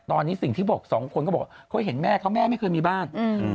ตอนนี้สิ่งที่บอกสองคนก็บอกเขาเห็นแม่เขาแม่ไม่เคยมีบ้าน